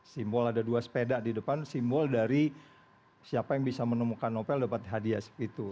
simbol ada dua sepeda di depan simbol dari siapa yang bisa menemukan novel dapat hadiah seperti itu